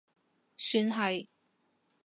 算係